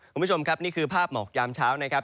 คุณผู้ชมครับนี่คือภาพหมอกยามเช้านะครับ